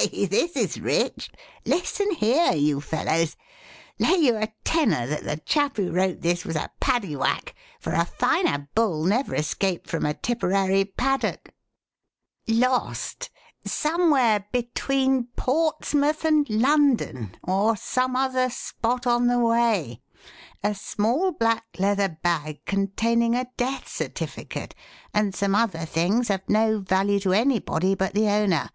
"I say, this is rich. Listen here, you fellows! Lay you a tenner that the chap who wrote this was a Paddy Whack, for a finer bull never escaped from a Tipperary paddock: "'Lost: Somewhere between Portsmouth and London or some other spot on the way, a small black leather bag containing a death certificate and some other things of no value to anybody but the owner.